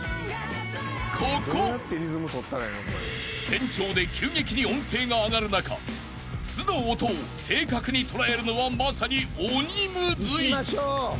［転調で急激に音程が上がる中「ス」の音を正確に捉えるのはまさに鬼ムズい］